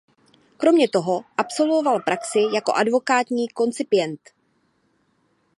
Kromě toho absolvoval praxi jako advokátní koncipient.